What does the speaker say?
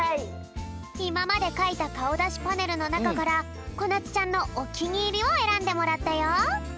いままでかいたかおだしパネルのなかからこなつちゃんのおきにいりをえらんでもらったよ。